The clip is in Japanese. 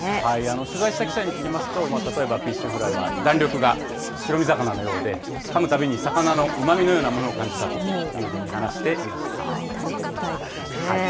取材した記者に聞きますと、例えばフィッシュフライは弾力が、白身魚のようで、かむたびに魚のうまみのようなものを感じたとい食べてみたいですね。